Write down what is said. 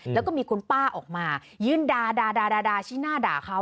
แล้วก็มีคุณป้าออกมายืนด่าชี้หน้าด่าเขา